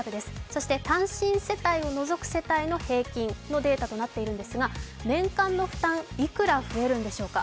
そして単身世帯を除く世帯の平均のデータとなっているんですが、年間の負担、いくら増えるんでしょう。